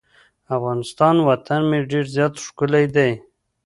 افغانستان وطن مې ډیر زیات ښکلی دی.